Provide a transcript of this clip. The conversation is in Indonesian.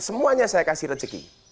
semuanya saya kasih rezeki